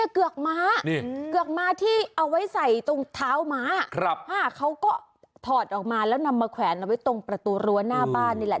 เกือกม้าเกือกม้าที่เอาไว้ใส่ตรงเท้าม้าเขาก็ถอดออกมาแล้วนำมาแขวนเอาไว้ตรงประตูรั้วหน้าบ้านนี่แหละ